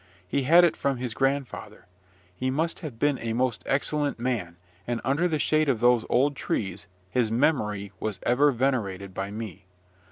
He had it from his grandfather. He must have been a most excellent man; and, under the shade of those old trees, his memory was ever venerated by me.